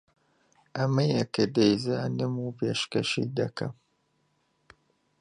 ئەمەیە کە دەیزانم و پێشکەشی دەکەم